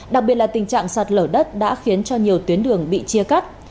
đặc biệt là tình trạng sạt lở đất đã khiến cho nhiều tuyến đường bị chia cắt